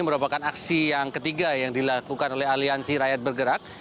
merupakan aksi yang ketiga yang dilakukan oleh aliansi rakyat bergerak